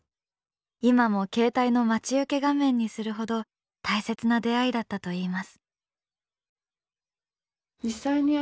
今も携帯の待ち受け画面にするほど大切な出会いだったといいます。